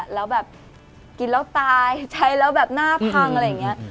แล้วแบบกินแล้วตายใช้แล้วแบบหน้าพังอะไรอย่างนี้